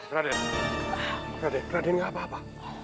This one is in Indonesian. raden raden gak apa apa